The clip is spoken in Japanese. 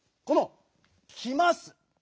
この「きます」。